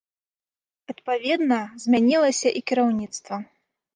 Адпаведна, змянілася і кіраўніцтва.